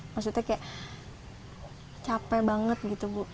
maksudnya kayak capek banget gitu bu